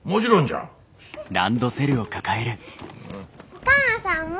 お母さんも！